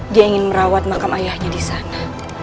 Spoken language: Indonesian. dia ingin merawat makam ayahnya disana